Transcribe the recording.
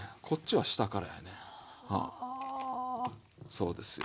そうですよ。